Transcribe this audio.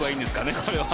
これは。